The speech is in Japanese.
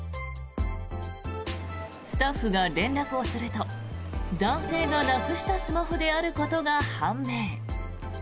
スタッフが連絡をすると男性がなくしたスマホであることが判明。